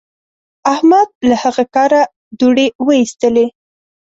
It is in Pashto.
احمد له هغه کاره دوړې واېستلې.